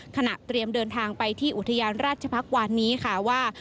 เตรียมเดินทางไปที่อุทยานราชพักษ์วานนี้ค่ะว่า